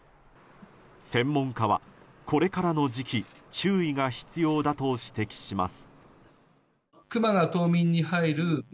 専門家はこれからの時期注意が必要だと指摘します。